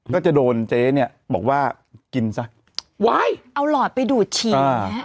ก็จะโดนเจ๊เนี้ยบอกว่ากินซะเอาหลอดไปดูดฉี่